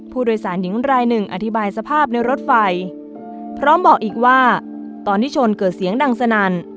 ผู้โดยสารหญิงรายหนึ่งอธิบายสภาพในรถไฟพร้อมบอกอีกว่าตอนที่ชนเกิดเสียงดังสนั่น